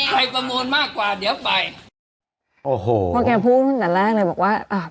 ใครประมวลมากกว่าเดี๋ยวไปโอ้โหพวกแกพูดขึ้นตั้งแต่แรกเลยบอกว่าอ่ะ